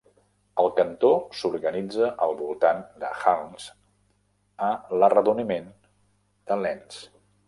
El cantó s'organitza al voltant de Harnes a l'arredoniment de Lens.